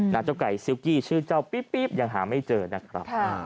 เจ้าไก่ซิลกี้ชื่อเจ้าปี๊บยังหาไม่เจอนะครับ